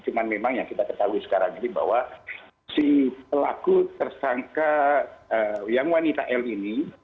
cuma memang yang kita ketahui sekarang ini bahwa si pelaku tersangka yang wanita l ini